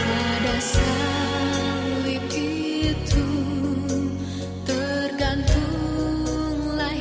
ada salib itu tergantunglah hidupmu